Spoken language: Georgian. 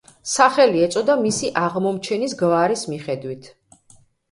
სახელი ეწოდა მისი აღმომჩენის გვარის მიხედვით.